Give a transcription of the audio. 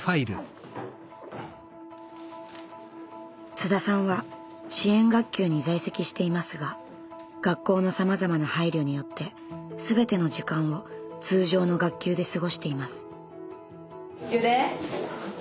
津田さんは支援学級に在籍していますが学校のさまざまな配慮によって全ての時間を通常の学級で過ごしています。